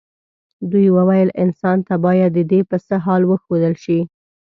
دوی وویل انسان ته باید ددې پسه حال وښودل شي.